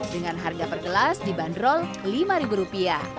dengan harga per gelas dibanderol rp lima